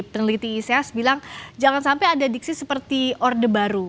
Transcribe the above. tadi pengamat dari peneliti ics bilang jangan sampai ada diksi seperti order baru